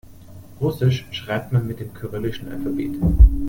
Russisch schreibt man mit dem kyrillischen Alphabet.